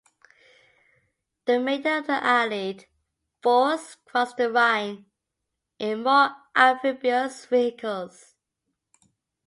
The remainder of the Allied force crossed the Rhine in more amphibious vehicles.